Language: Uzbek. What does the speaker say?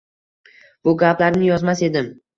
Bu gaplarni yozmas edim.